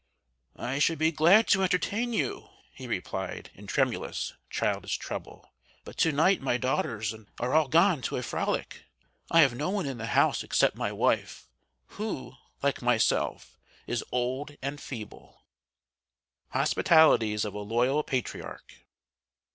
"I should be glad to entertain you," he replied, in tremulous, childish treble, "but to night my daughters are all gone to a frolic. I have no one in the house except my wife, who, like myself, is old and feeble." [Sidenote: HOSPITALITIES OF A LOYAL PATRIARCH.